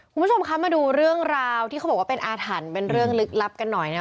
คุณผู้ชมคะมาดูเรื่องราวที่เขาบอกว่าเป็นอาถรรพ์เป็นเรื่องลึกลับกันหน่อยนะ